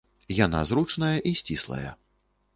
Яна зручная і сціслая.